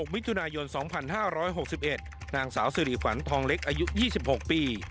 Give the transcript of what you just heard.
มิถุนายน๒๕๖๑นางสาวสิริฝันทองเล็กอายุ๒๖ปี